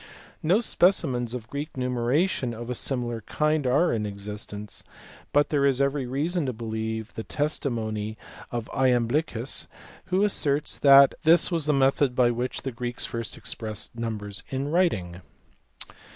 No speci mens of Greek numeration of a similar kind are in existence, but there is every reason to believe the testimony of lamblichus who asserts that this was the method by which the Greeks first expressed numbers in writing.